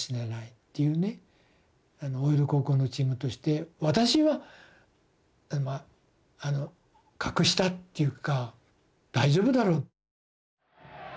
大淀高校のチームとして私はまあ格下っていうか大丈夫だろう。